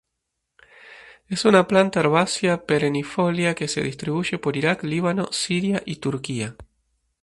Es una planta herbácea perennifolia que se distribuye por Irak, Líbano, Siria y Turquía.